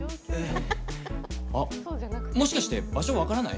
あっ、もしかして場所分からない？